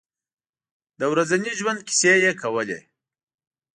د ورځني ژوند کیسې یې کولې.